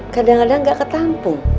kadang kadang gak ketampung